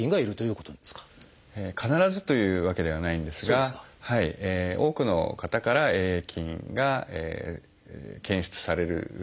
必ずというわけではないんですが多くの方からＡ．ａ．菌が検出されております。